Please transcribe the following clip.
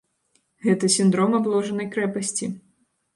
Гэта сіндром абложанай крэпасці.